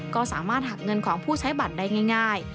ก็สามารถหักเงินของผู้ใช้บัตรได้ง่าย